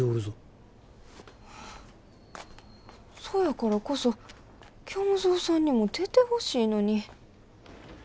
そやからこそ虚無蔵さんにも出てほしいのに。